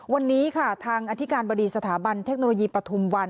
วันนี้ค่ะทางอธิการบดีสถาบันเทคโนโลยีปฐุมวัน